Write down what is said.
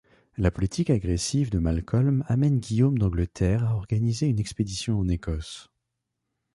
La politique agressive de Malcolm amène Guillaume d'Angleterre à organiser une expédition en Écosse.